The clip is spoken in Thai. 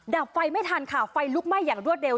ดับไฟไม่ทันค่ะไฟลุกไหม้อย่างรวดเร็